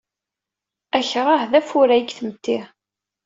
Akṛah d afurray deg tmetti.